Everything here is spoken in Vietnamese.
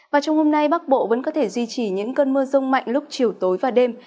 và trong hôm nay bắc bộ vẫn có thể duy trì những cơn mưa rông mạnh lúc chiều tối và đêm